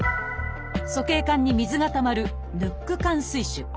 鼠径管に水がたまる「ヌック管水腫」。